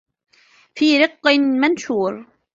في رَقٍّ مَنشورٍ